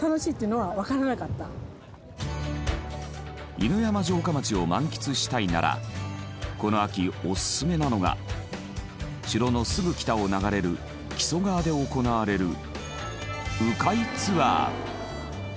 犬山城下町を満喫したいならこの秋オススメなのが城のすぐ北を流れる木曽川で行われる鵜飼ツアー。